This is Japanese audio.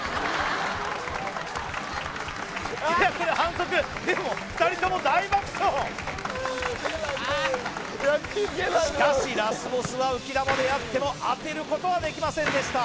いやこれ反則でも２人とも大爆笑しかしラスボスは浮き球であっても当てることはできませんでした